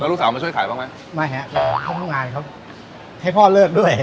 แล้วลูกสาวมันช่วยขายบ้างไหมไม่ฮะเพราะงานเขาให้พ่อเลิกด้วย